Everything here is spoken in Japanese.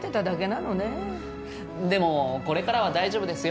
でもこれからは大丈夫ですよ。